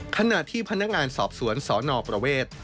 ขณะที่พนักงานสอบสวนสนประเวท